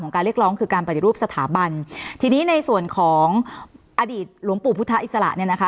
การเรียกร้องคือการปฏิรูปสถาบันทีนี้ในส่วนของอดีตหลวงปู่พุทธอิสระเนี่ยนะคะ